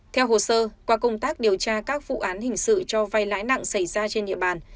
theo hồ sơ qua công tác điều tra các vụ án hình sự cho vay lãi nặng xảy ra trên địa bàn